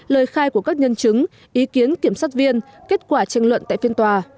lời khai của các nhân chứng ý kiến kiểm sát viên kết quả tranh luận tại phiên tòa